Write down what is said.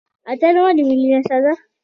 اتن ولې ملي نڅا ده؟